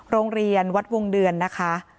โรงเรียนวัดวงเดือนนะคะ